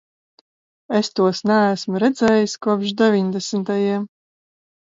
Es tos neesmu redzējis kopš deviņdesmitajiem.